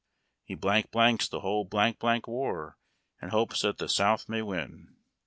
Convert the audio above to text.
He blank blanks the whole blaidc blank war, and hopes that the South ma}' win.